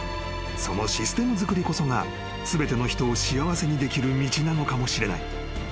［そのシステムづくりこそが全ての人を幸せにできる道なのかもしれない］